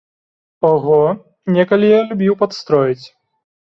Ого, некалі я любіў падстроіць.